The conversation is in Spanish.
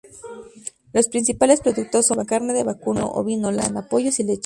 Los principales productos son carne de vacuno, ovino, lana, pollos y leche.